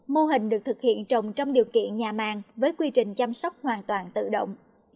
mô hình được thực hiện trồng trong điều kiện nhà màng với quy trình chăm sóc hoàn toàn tự động